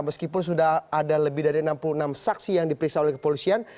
meskipun sudah ada lebih dari enam puluh enam saksi yang diperiksa oleh kepolisian